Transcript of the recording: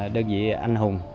đơn vị anh hùng